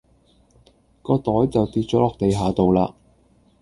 個袋就跌左落地下道啦